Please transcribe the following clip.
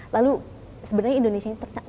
lalu sebenarnya indonesia ini